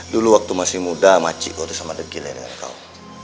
dulu waktu masih muda makcik kau sama degil dengan kau